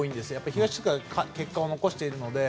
東地区は結果を残しているので。